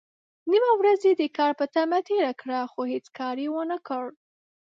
نيمه ورځ يې د کار په تمه تېره کړه، خو هيڅ کار يې ونکړ.